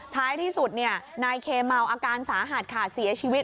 ท้ายที่สุดนายเคเมาอาการสาหัสค่ะเสียชีวิต